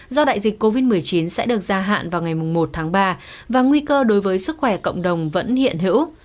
do đại dịch covid một mươi chín sẽ được gia hạn vào ngày một tháng ba và nguy cơ đối với sức khỏe cộng đồng vẫn hiện hữu